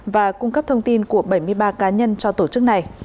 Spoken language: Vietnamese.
và cung cấp thông tin của bảy mươi ba cá nhân cho tổ chức này